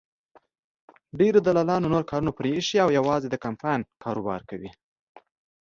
ډېرو دلالانو نور کارونه پرېښي او یوازې د کمپاین کاروبار کوي.